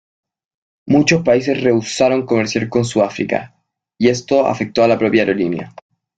Muchos países rehusaron comerciar con Sudáfrica, y esto afectó a la propia aerolínea.